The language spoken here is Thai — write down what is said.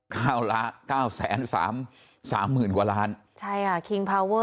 ครับครัวเจรวณนม